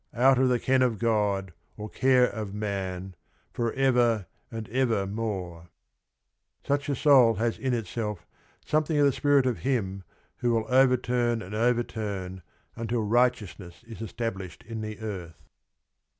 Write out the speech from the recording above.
"out of the ken of God Or care of man, for ever and ever more I" Such a soul has in itself something of the spirit of Him who will overturn and overturn until righteousness is established in the earth.